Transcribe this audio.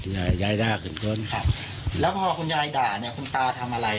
ยายยายด่าถึงคนขับแล้วพอคุณยายด่าเนี่ยคุณตาทำอะไร